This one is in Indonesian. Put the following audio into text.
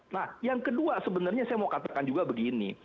nah yang kedua sebenarnya saya mau katakan juga begini